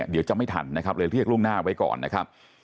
จะไม่ทันนะครับเลยเรียกล่วงหน้าไว้ก่อนนะครับ